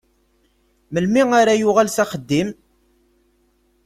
Melmi ara yuɣal s axeddim?